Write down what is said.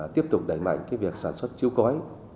tiếp tục đẩy mạnh việc sản xuất chiếu cõi